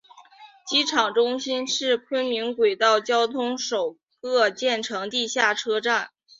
机场中心站是昆明轨道交通首个建成地下车站。